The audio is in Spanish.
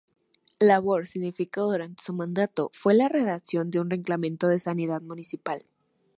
Labor significativa durante su mandato fue la redacción de un Reglamento de Sanidad Municipal.